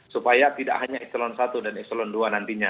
supaya tidak hanya eselon satu dan eselon dua nantinya